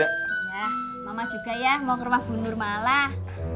ya mama juga ya mau ke rumah bundur malah